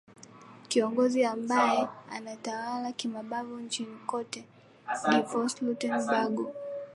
kiongozi ambaye ambaye anatawala kimabavu nchini cote de voire lauren bagbo